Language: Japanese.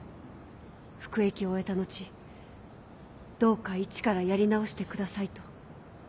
服役を終えた後どうか一からやり直してくださいと。